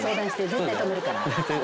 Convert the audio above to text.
絶対止めるから。